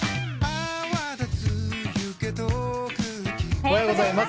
おはようございます。